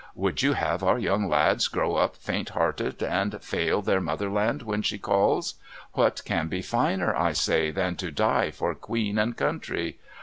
Would you have our young lads grow up faint hearted and fail their Motherland when she calls? What can be finer, I say, than to die for Queen and country?